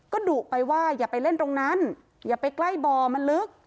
ก็ดุไปว่าอย่าไปเล่นตรงนั้นอย่าไปใกล้บ่อมันลึก